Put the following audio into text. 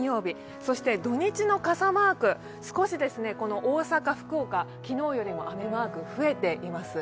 そして土日の傘マーク、少し大阪、福岡、昨日よりも雨マークが増えています。